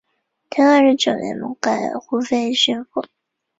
乾隆二十九年改湖北巡抚。